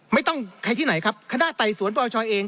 ไม่ต้องใครที่ไหนครับคณะไต่สวนประวัติศาสตร์เอง